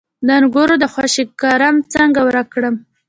د انګورو د خوشې کرم څنګه ورک کړم؟